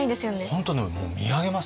本当ねもう見上げますよ。